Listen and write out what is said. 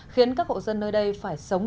khiến các hộ dân nơi đây phải sống